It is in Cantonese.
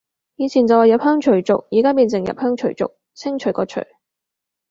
以前就話入鄉隨俗，而家變成入鄉除族，清除個除